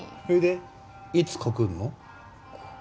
それでいつ告んの？